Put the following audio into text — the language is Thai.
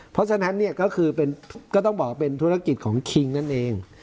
เพราะฉะนั้นเนี่ยก็คือก็ต้องบอกว่าเป็นธุรกิจของคิงนั่นเอง